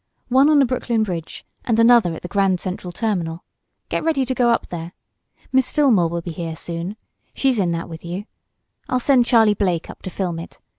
One on the Brooklyn Bridge and another at the Grand Central Terminal. Get ready to go up there. Miss Fillmore will be here soon. She's in that with you. I'll send Charlie Blake up to film it.